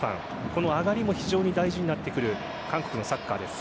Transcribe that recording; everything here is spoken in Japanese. この上がりも非常に大事になってくる韓国のサッカーです。